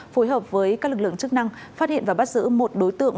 phối hợp với các lực lượng chức năng phát hiện và bắt giữ một đối tượng